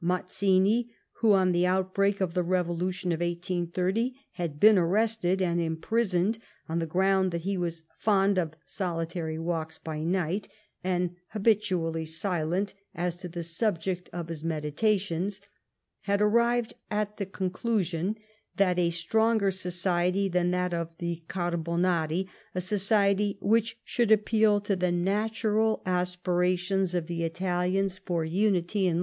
ivlazzini, who, on the outbreak of the revolution of 1830, had been arrested and imprisoned on the ground that he was fond of solitary walks by night, and habitually silent as to the subject of his meditations, had arrived at the conclusion that a stronger society than that of the Carbonari — a society which should appeal to the natural aspirations of the Italians for unity and DECLINE AND FALL OF HIS SYSTEM.